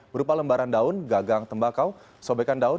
berupa lembaran daun gagang tembakau sobekan daun